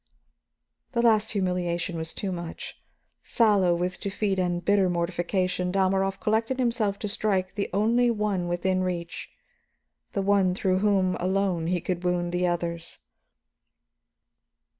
The last humiliation was too much. Sallow with defeat and bitter mortification, Dalmorov collected himself to strike the only one within reach, the one through whom alone he could wound the others.